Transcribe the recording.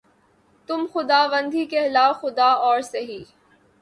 تم خداوند ہی کہلاؤ‘ خدا اور سہی